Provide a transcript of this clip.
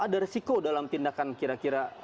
ada resiko dalam tindakan kira kira